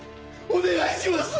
お願いします！